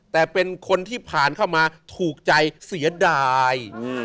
แต่เป็นคนที่ผ่านเข้ามาถูกใจเสียดาย